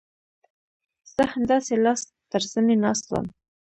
زه همداسې لاس تر زنې ناست وم.